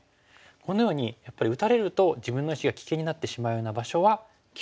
このようにやっぱり打たれると自分の石が危険になってしまうような場所は急場。